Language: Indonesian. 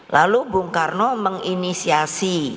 lalu bung karno menginisiasi